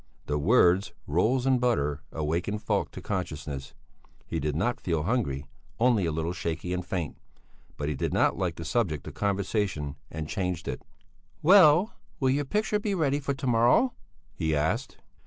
The words "rolls and butter" awakened Falk to consciousness; he did not feel hungry, only a little shaky and faint. But he did not like the subject of conversation and changed it. "Well, will your picture be ready for to morrow?" he asked.